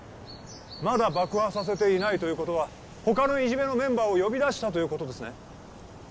まだ爆破させていないということはほかのいじめのメンバーを呼び出したということですね